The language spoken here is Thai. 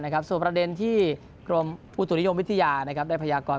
และประเด็นที่กรมอุตุริยมวิทยาได้พัยาก่อน